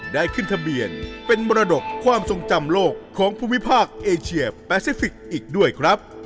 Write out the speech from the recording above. ได้ขึ้นทะเบียนเป็นมรดกความทรงจำโลกของภูมิภาคเอเชียแปซิฟิกส์อีกด้วยครับ